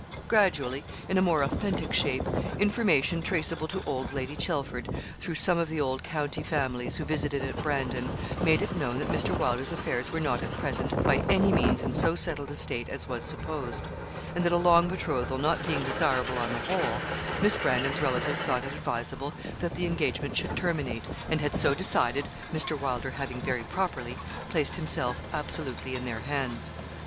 Gradually, in a more authentic shape, information traceable to old Lady Chelford, through some of the old county families who visited at Brandon, made it known that Mr. Wylder's affairs were not at present by any means in so settled a state as was supposed; and that a long betrothal not being desirable on the whole, Miss Brandon's relatives thought it advisable that the engagement should terminate, and had so decided, Mr. Wylder having, very properly, placed himself absolutely in their hands.